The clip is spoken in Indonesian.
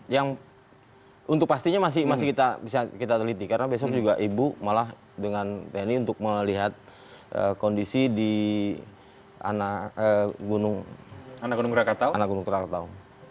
yang untuk pastinya masih kita bisa kita teliti karena besok juga ibu malah dengan tni untuk melihat kondisi di anak gunung krakatau